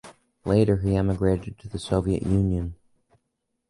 Later, he emigrated to the Soviet Union.